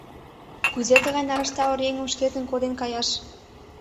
Кузе тыгай нарашта оръеҥым шкетшым коден каяш?